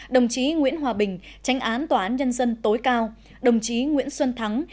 đồng chí nguyễn hòa bình tránh án toán nhân dân tối cao đồng chí nguyễn xuân thắng